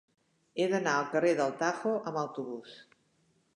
He d'anar al carrer del Tajo amb autobús.